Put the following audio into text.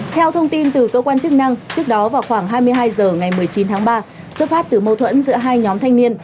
theo thông tin từ cơ quan chức năng trước đó vào khoảng hai mươi hai h ngày một mươi chín tháng ba xuất phát từ mâu thuẫn giữa hai nhóm thanh niên